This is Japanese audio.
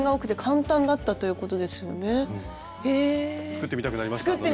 作ってみたくなりました？